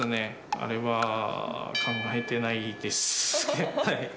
あれは考えてないです。